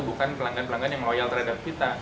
dan pelanggan pelanggan yang loyal terhadap kita